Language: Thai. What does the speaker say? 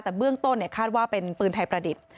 แต่เบื้องต้นคาดว่าเป็นปืนไทยประดิษฐ์